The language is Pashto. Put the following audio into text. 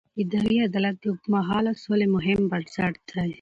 اداري عدالت د اوږدمهاله سولې مهم بنسټ دی